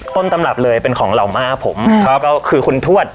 ต้นตำรับเลยเป็นของอ่ามาผมคือคุณท็อป